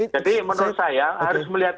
jadi menurut saya harus melihat